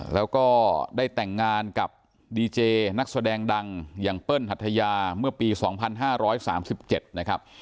แล้วก็ได้แต่งงานกับดีเจนักแสดงดังอย่างเปิ้ลหัทยาเมื่อปีสองพันห้าร้อยสามสิบเจ็ดนะครับ